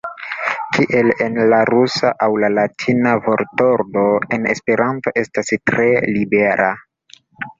Kiel en la rusa aŭ la latina, vortordo en Esperanto estas tre libera.